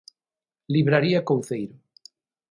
Libraría Couceiro.